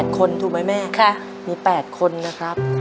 คนถูกไหมแม่มี๘คนนะครับ